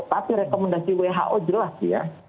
tapi rekomendasi who jelas ya